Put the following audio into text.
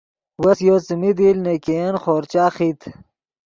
وس یو څیمین دیل نے ګین خورچہ خیت